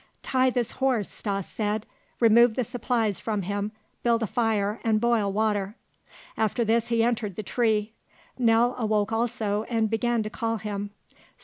"Tie this horse," Stas said. "Remove the supplies from him, build a fire, and boil water." After this he entered the tree. Nell awoke also and began to call him.